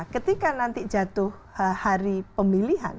ketika nanti jatuh hari pemilihan